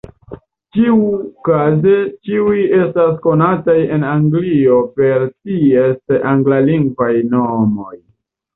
Ĉiukaze ĉiuj estas konataj en Anglio per ties anglalingvaj nomoj.